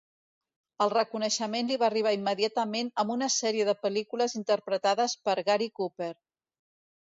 El reconeixement li va arribar immediatament amb una sèrie de pel·lícules interpretades per Gary Cooper.